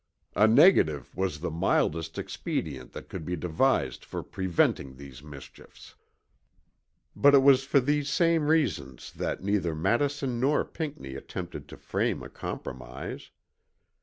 A negative was the mildest expedient that could be devised for preventing these mischiefs." But it was for these same reasons that neither Madison nor Pinckney attempted to frame a compromise.